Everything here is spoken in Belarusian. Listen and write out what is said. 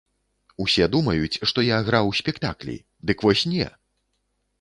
Усе думаюць, што я граў спектаклі, дык вось не!